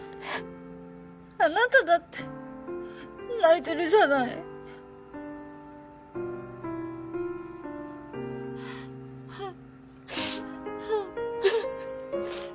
あなただって泣いてるじゃないチリーン。